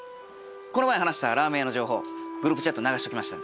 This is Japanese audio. この前話したラーメン屋の情報グループチャットに流しておきました。